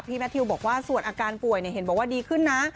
แมททิวบอกว่าส่วนอาการป่วยเห็นบอกว่าดีขึ้นนะ